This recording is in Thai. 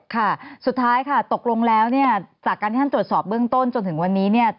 ค่ะสุดท้ายค่ะตกลงแล้วเนี่ยจากการที่ท่านตรวจสอบเบื้องต้นจนถึงวันนี้เนี่ย